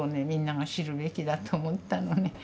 みんなが知るべきだと思ったの。